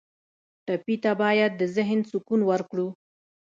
ټپي ته باید د ذهن سکون ورکړو.